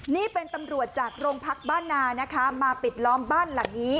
นี่เป็นตำรวจจากโรงพักบ้านนานะคะมาปิดล้อมบ้านหลังนี้